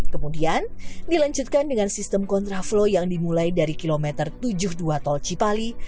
kemudian dilanjutkan dengan sistem kontraflow yang dimulai dari kilometer tujuh puluh dua tol cipali